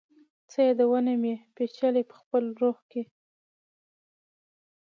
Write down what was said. څه یادونه مي، پیچلي پخپل روح کي